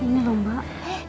ini loh mbak